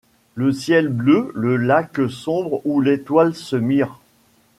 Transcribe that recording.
Le ciel bleu, le lac sombre où l'étoile se mire ;